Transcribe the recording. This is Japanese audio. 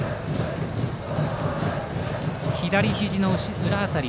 左ひじの裏辺り。